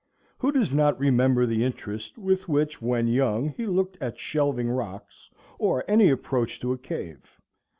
Who does not remember the interest with which when young he looked at shelving rocks, or any approach to a cave?